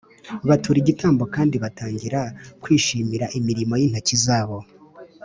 Batura igitambo kandi batangira kwishimira imirimo y’intoki zabo